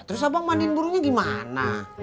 terus abang manin burungnya gimana